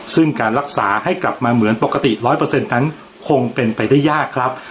ซึ่งการรักษาให้กลับมาเหมือนปกติร้อยเปอร์เซ็นต์นั้นคงเป็นไปได้ยากครับ